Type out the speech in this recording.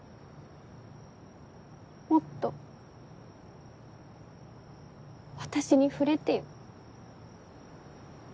もっと私に触れてよ。